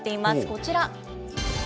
こちら。